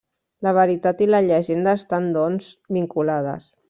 La veritat i la llegenda estan doncs vinculades.